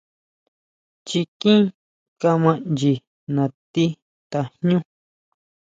Chikín kama ʼnyi natí tajñú.